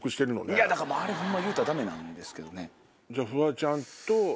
いやだからあれホンマ言うたらダメなんですけどね。